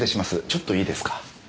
ちょっといいですか？